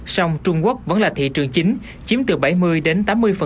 song trung quốc vẫn là thị trường chính chiếm từ bảy mươi đến tám mươi